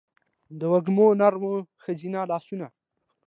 دوږمو نرم ښځینه لا سونه